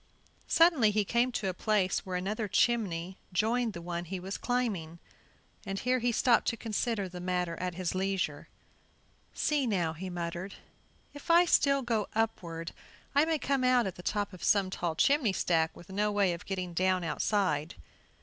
Suddenly he came to a place where another chimney joined the one he was climbing, and here he stopped to consider the matter at his leisure. "See now," he muttered, "if I still go upward I may come out at the top of some tall chimney stack with no way of getting down outside.